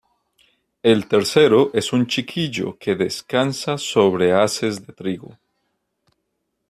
El tercero es un chiquillo que descansa sobre haces de trigo.